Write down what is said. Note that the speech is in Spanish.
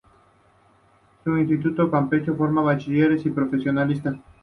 El Instituto Campechano forma bachilleres y profesionistas.